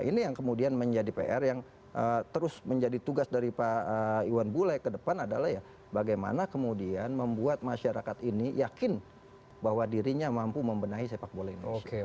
ini yang kemudian menjadi pr yang terus menjadi tugas dari pak iwan bule ke depan adalah ya bagaimana kemudian membuat masyarakat ini yakin bahwa dirinya mampu membenahi sepak bola ini